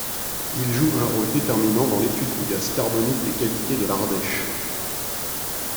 Il joue un rôle déterminant dans l'étude du gaz carbonique des cavités de l'Ardèche.